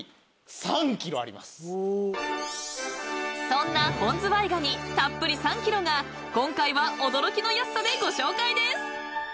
［そんな本ズワイガニたっぷり３ｋｇが今回は驚きの安さでご紹介です］